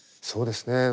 そうですね。